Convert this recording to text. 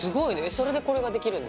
それでこれができるんだ。